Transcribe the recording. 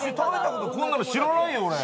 こんなの知らないよ、俺。